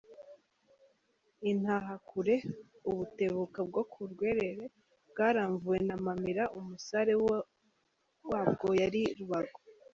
Intahakure : ”Ubutebuka “,bwo ku Rwerere ,bwaramvuwe na Mpamira ,umusare wabwo yari Rubago.